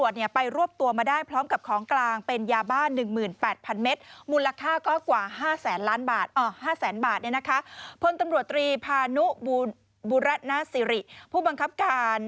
หัวหน้าสิริผู้บังคับการ